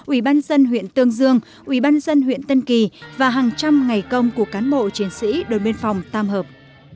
ubnd huyện tương dương ubnd huyện tân kỳ và hàng trăm ngày công của cán bộ chiến sĩ đối biên phòng tam hợp